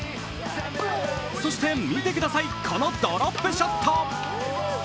そして見てください、このドロップショット。